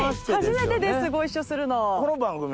初めてですご一緒するの。